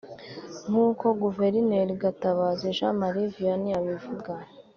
nk’uko Guverineri Gatabazi Jean Marie Vianney abivuga